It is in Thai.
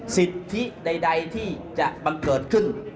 สิทธิใดที่จะบังเกิดขึ้น